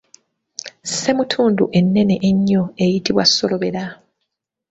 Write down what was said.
Ssemutundu ennene ennyo eyitibwa solobera.